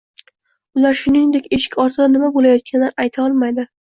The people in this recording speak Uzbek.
Ular, shuningdek, eshik ortida nima bo'layotganini ayta olmaydi